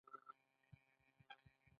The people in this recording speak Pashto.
د فراه په پرچمن کې د مالګې نښې شته.